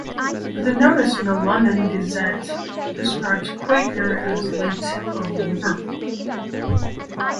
The notice in the "London Gazette" described "Quaker" as "late of Liverpool".